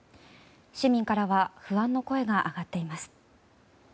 市民からは不安の声が上がっています。